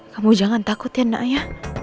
kamu jangan takut ya enaknya